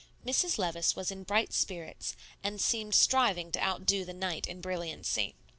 Mrs. Levice was in bright spirits, and seemed striving to outdo the night in brilliancy.